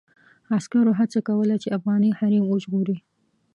عسکرو هڅه کوله چې افغاني حريم وژغوري.